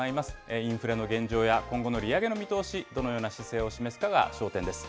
インフレの現状や今後の利上げの見通し、どのような姿勢を示すかが焦点です。